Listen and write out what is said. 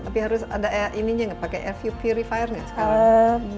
tapi harus ada ini ya enggak pakai air purifier enggak sekarang